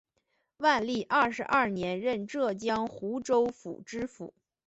万历二十二年任浙江湖州府知府。